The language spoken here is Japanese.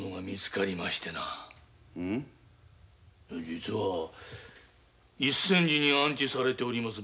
実は一泉寺に安置されております